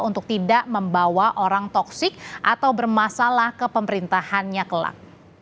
untuk tidak membawa orang toksik atau bermasalah ke pemerintahannya kelak